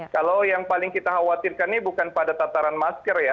kalau yang paling kita khawatirkan ini bukan pada tataran masker ya